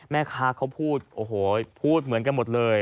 แม่ค้าเขาพูดโอ้โหพูดเหมือนกันหมดเลย